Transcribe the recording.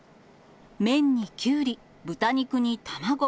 麺にきゅうり、豚肉に卵。